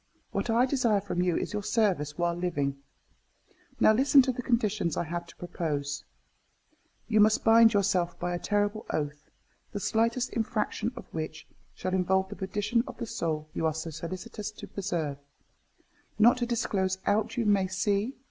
What I desire from you is your service while living. Now listen to the conditions I have to propose. You must bind yourself by a terrible oath, the slightest infraction of which shall involve the perdition of the soul you are so solicitous to preserve, not to disclose aught you may see, or that may be imparted to you here.